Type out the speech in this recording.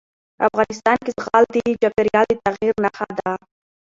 افغانستان کې زغال د چاپېریال د تغیر نښه ده.